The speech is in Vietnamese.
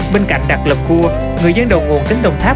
bên cạnh đặt lập cua người dân đầu nguồn tỉnh đồng tháp